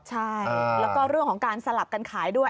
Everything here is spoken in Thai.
ใช่แล้วก็เรื่องของการสลับกันขายด้วย